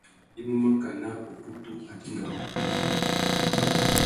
I mú makana ukutu a dingamú unúmútú.